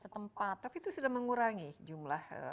setempat tapi itu sudah mengurangi jumlah